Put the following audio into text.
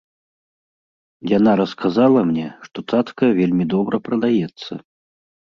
Яна расказала мне, што цацка вельмі добра прадаецца.